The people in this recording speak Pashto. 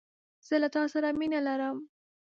زه له تاسره مینه لرم